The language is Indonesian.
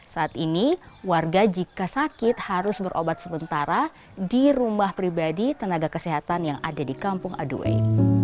saat ini warga jika sakit harus berobat sementara di rumah pribadi tenaga kesehatan yang ada di kampung aduay